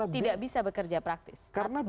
tidak bisa bekerja praktis